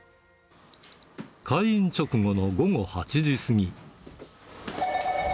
開院直後の午後８時過ぎ。